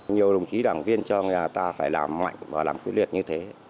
nhiều đồng chí đảng viên cho người ta phải làm mạnh và làm quyết liệt như thế